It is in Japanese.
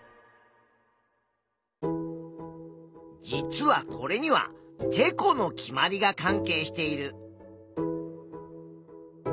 実はこれにはてこの決まりが関係している。